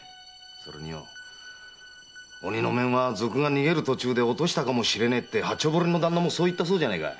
それに鬼の面は賊が逃げる途中で落としたかもしれねえって八丁堀の旦那も言ったそうじゃないか。